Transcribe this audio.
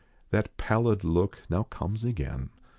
That pallid look now comes again.